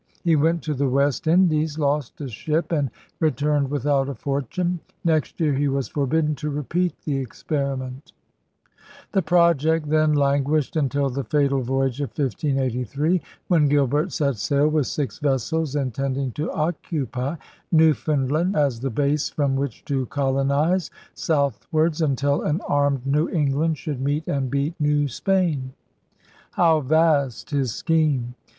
He went to the West Indies, lost a ship, and returned without a for tune. Next year he was forbidden to repeat the experiment. THE VISION OF THE WEST 209 The project then languished until the fatal voy age of 1583, when Gilbert set sail with six vessels, intending to occupy Newfoundland as the base from which to colonize southwards until an armed New England should meet and beat New Spam. How vast his scheme!